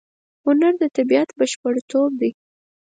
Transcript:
هنر د طبیعت بشپړتوب دی.